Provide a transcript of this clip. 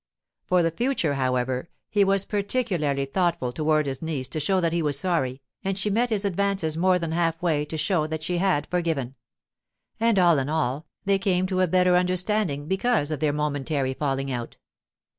For the future, however, he was particularly thoughtful toward his niece to show that he was sorry, and she met his advances more than half way to show that she had forgiven; and, all in all, they came to a better understanding because of their momentary falling out.